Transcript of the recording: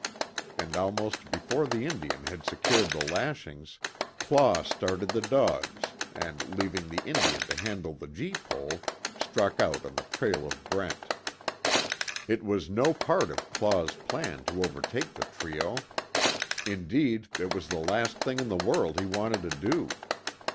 And almost before the Indian had secured the lashings, Claw started the dogs, and leaving the Indian to handle the gee pole, struck out on the trail of Brent. It was no part of Claw's plan to overtake the trio. Indeed, it was the last thing in the world he wanted to do.